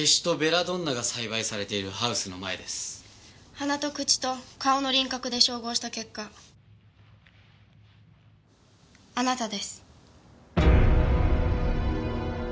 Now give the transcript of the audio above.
鼻と口と顔の輪郭で照合した結果あなたです。